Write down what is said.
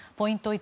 １